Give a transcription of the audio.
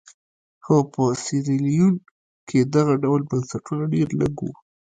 خو په سیریلیون کې دغه ډول بنسټونه ډېر لږ وو.